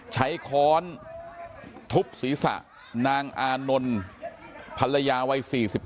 ค้อนทุบศีรษะนางอานนท์ภรรยาวัย๔๙